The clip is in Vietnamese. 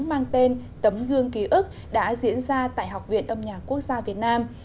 mang tên tấm gương ký ức đã diễn ra tại học viện âm nhạc quốc gia việt nam